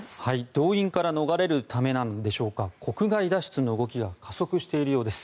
動員から逃れるためなんでしょうか国外脱出の動きが加速しているようです。